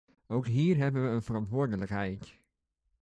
Ook hier hebben we een verantwoordelijkheid.